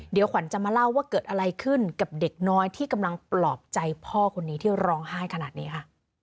เดี๋ยวขวัญจะมาเล่าว่าเกิดอะไรขึ้นกับเด็กน้อยที่กำลังปลอบใจพ่อคนนี้ที่ร้องไห้ขนาดนี้ค่ะ